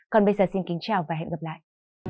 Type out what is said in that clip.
còn bây giờ xin kính chào và hẹn gặp lại